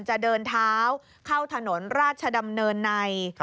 จะเดินเท้าเข้าถนนราชดำเนินใน